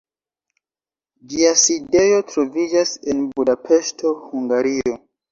Ĝia sidejo troviĝas en Budapeŝto, Hungario.